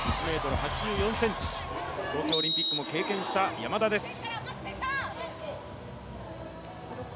１ｍ８４ｃｍ、東京オリンピックも経験した山田です。